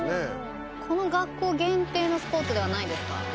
この学校限定のスポーツではないですか？